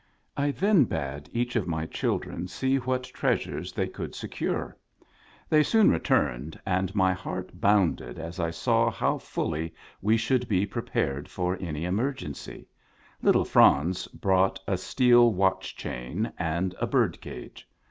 I then bade each of my children see what treasures they could secure. They soon returned, and my heart bounded as I saw how fully we should be pre pared for any emergency. Little Franz brought a steel watch chain and a bird cage.